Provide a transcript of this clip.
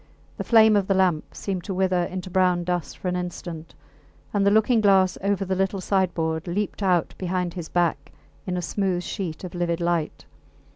The flame of the lamp seemed to wither into brown dust for an instant, and the looking glass over the little sideboard leaped out behind his back in a smooth sheet of livid light.